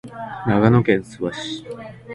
長野県諏訪市